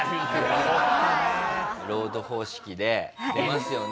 『ロード』方式で出ますよね